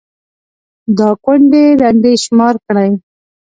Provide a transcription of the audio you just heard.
دا كونـډې رنـډې شمار كړئ